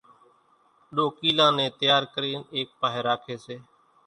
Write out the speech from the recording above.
ڏوڪيلان نين تيار ڪرين ايڪ پاھي راکي سي۔